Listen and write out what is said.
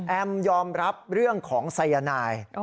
ยอมรับเรื่องของสายนาย